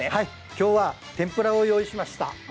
今日は天ぷらを用意しました。